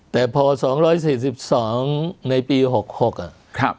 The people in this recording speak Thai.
แต่พอ๒๔๒ในปี๖๖อ่ะ